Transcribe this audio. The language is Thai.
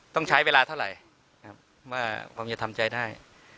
ต้องใช้เวลาเท่าไหร่ว่าผมจะทำใจได้